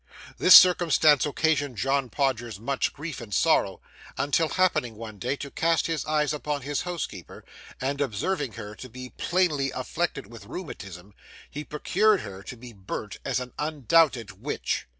This circumstance occasioned John Podgers much grief and sorrow, until happening one day to cast his eyes upon his housekeeper, and observing her to be plainly afflicted with rheumatism, he procured her to be burnt as an undoubted witch.